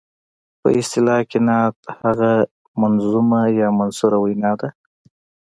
په اصطلاح کې نعت هغه منظومه یا منثوره وینا ده.